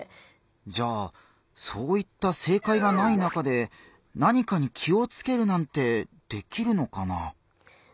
じゃあそういった正解がない中で何かに気をつけるなんてできるのかな？